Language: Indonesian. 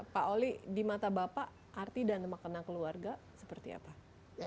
pak oli di mata bapak arti dan makna keluarga seperti apa